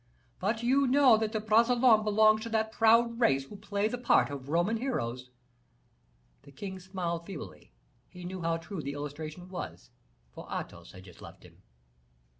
But you know that De Bragelonne belongs to that proud race who play the part of Roman heroes." The king smiled feebly; he knew how true the illustration was, for Athos had just left him.